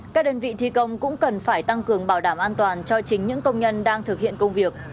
các đơn vị thi công cũng cần phải tăng cường bảo đảm an toàn cho chính những công nhân đang thực hiện công việc